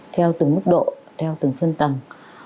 theo từng mức độ theo từng phân tầng